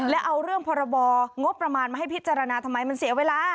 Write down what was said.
และเอาเรื่องพรบงบประมาณมาให้พิจารณาทำไมมันเสียเวลา